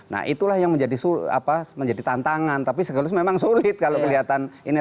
nah itulah yang menjadi tantangan tapi segelus memang sulit kalau kelihatan ini